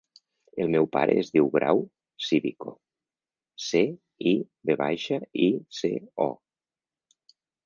El meu pare es diu Grau Civico: ce, i, ve baixa, i, ce, o.